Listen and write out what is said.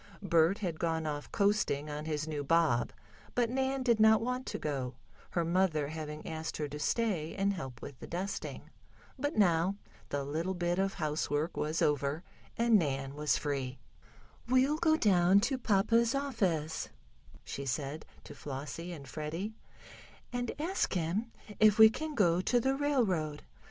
Bert had gone off coasting on his new bob, but Nan did not want to go, her mother having asked her to stay and help with the dusting. But now the little bit of housework was over, and Nan was free. "We'll go down to papa's office," she said to Flossie and Freddie, "and ask him if we can go to the railroad.